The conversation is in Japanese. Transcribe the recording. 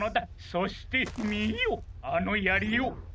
そしてみよあのやりを！